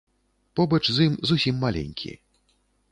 Побач з ім зусім маленькі.